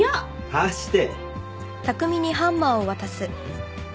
貸して。